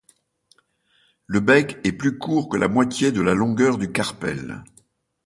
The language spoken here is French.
Le bec est plus court que la moitié de la longueur du carpelle.